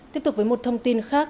tiếp tục với một thông tin khác